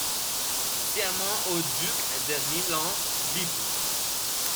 Serment au duc de Milan, Bibl.